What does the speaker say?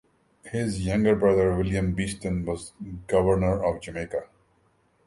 His younger brother William Beeston was Governor of Jamaica.